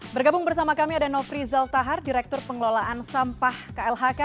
bergabung bersama kami ada nofri zal tahar direktur pengelolaan sampah klhk